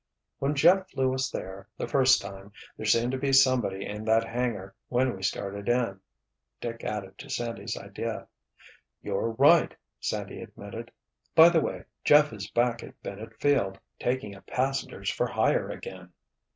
——" "When Jeff flew us there, the first time, there seemed to be somebody in that hangar when we started in," Dick added to Sandy's idea. "You're right," Sandy admitted. "By the way, Jeff is back at Bennett Field, taking up passengers for hire again."